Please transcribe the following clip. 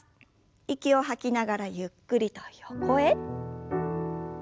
息を吐きながらゆっくりと横へ。